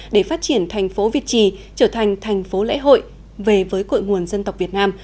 để phát triển thành phố việt trì trở thành thành phố lễ hội về với cội nguồn dân tộc việt nam